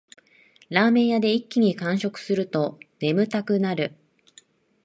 ラーメン屋で一気に完食すると眠たくなる